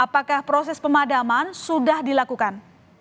apakah proses pemadaman sudah dilakukan